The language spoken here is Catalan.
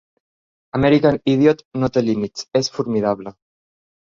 "American Idiot" no té límits, es formidable.